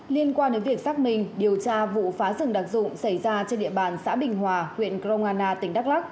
liên quan đến việc xác minh điều tra vụ phá rừng đặc dụng xảy ra trên địa bàn xã bình hòa huyện kro nga na tỉnh đắk lắc